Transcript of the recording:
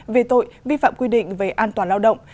về tội vi phạm quy định về an toàn lao động